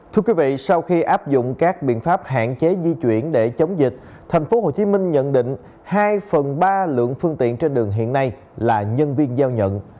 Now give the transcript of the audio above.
thưa quý vị sau khi áp dụng các biện pháp hạn chế di chuyển để chống dịch thành phố hồ chí minh nhận định hai phần ba lượng phương tiện trên đường hiện nay là nhân viên giao nhận